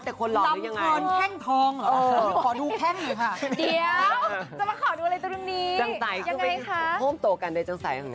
เพราะว่าใจแอบในเจ้า